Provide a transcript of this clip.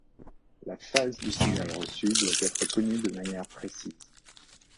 La phase du signal reçu doit être connue de manière précise.